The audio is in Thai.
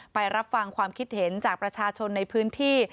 ไปรับฟังความคิดเห็นจากประชาชนในพื้นที่